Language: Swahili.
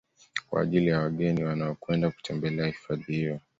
Kwa ajili ya wageni wanaokwenda kutembelea hifadhi hiyo